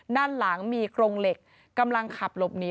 ด้านหลังมีโครงเหล็กกำลังขับหลบหนี